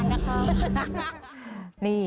นี่เขาจัดต่ำไว้